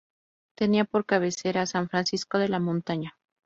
Tenía por cabecera a San Francisco de la Montaña.